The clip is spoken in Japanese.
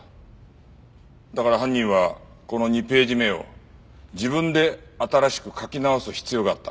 だから犯人はこの２ページ目を自分で新しく書き直す必要があった。